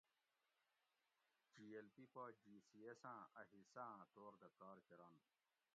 جی ایل پی پا جی سی ایس آں اۤ حصہ آں طور دہ کار کرنت